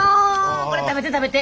これ食べて食べて。